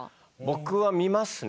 僕は見ますね。